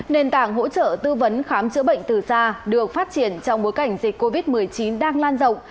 nền tảng hỗ trợ tư vấn khám chữa bệnh từ xa được phát triển trong bối cảnh dịch covid một mươi chín đang lan rộng